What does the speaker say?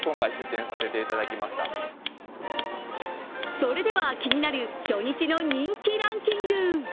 それでは、気になる初日の人気ランキング。